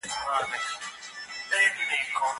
که سمه پلټنه وسي حقیقت به ښکاره سي.